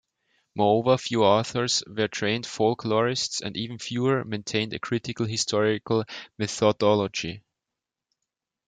Moreover, few authors were trained folklorists and even fewer maintained a critical historical methodology.